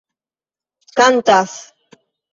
kantas